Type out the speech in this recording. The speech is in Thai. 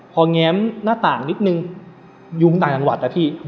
พอแง้มหน้าต่างนิดนึงยุงต่างจังหวัดนะพี่